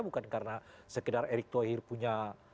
bukan karena sekedar erick thohir punya